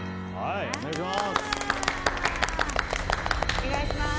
お願いします。